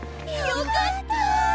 よかった。